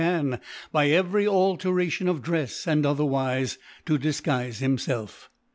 r X74 ) can^ by every Alteration of Drefs, and other wife, to dilguife himfeif.